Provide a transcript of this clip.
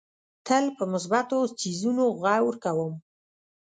تل په مثبتو څیزونو غور کوم.